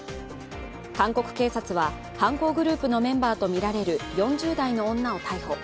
韓国警察は犯行グループのメンバーとみられる４０代の女を逮捕。